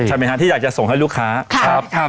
ใช่มั้ยท่านที่อยากจะส่งให้ลูกค้า